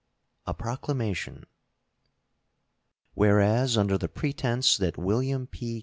A PROCLAMATION. Whereas, under the pretense that William P.